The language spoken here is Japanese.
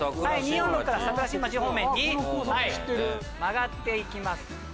２４６から桜新町方面に曲がって行きます。